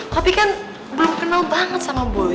papi kan belum kenal banget sama boy